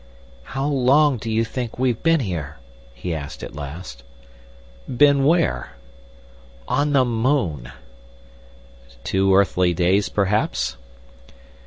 "How long do you think we've have been here?" he asked at last. "Been where?" "On the moon." "Two earthly days, perhaps."